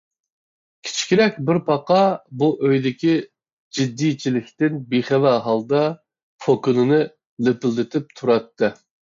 كىچىكرەك بىر پاقا بۇ ئۆيدىكى جىددىيچىلىكتىن بىخەۋەر ھالدا پوكىنىنى لىپىلدىتىپ تۇراتتى.